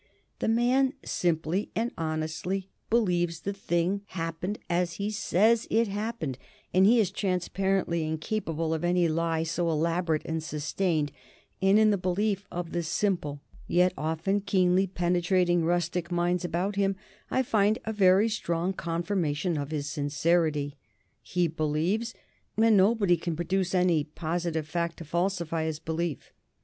The man simply and honestly believes the thing happened as he says it happened; he is transparently incapable of any lie so elaborate and sustained, and in the belief of the simple, yet often keenly penetrating, rustic minds about him I find a very strong confirmation of his sincerity. He believes and nobody can produce any positive fact to falsify his belief.